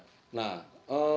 ada kalau nggak salah lima